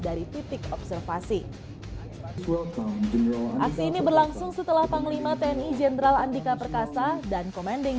dari titik observasi aksi ini berlangsung setelah panglima tni jenderal andika perkasa dan komending